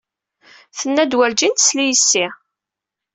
Tenna-d werǧin tesli yes-i.